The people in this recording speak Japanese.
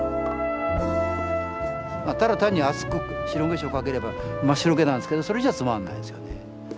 ただ単に厚く白化粧をかければ真っ白けなんですけどそれじゃあつまんないですよね。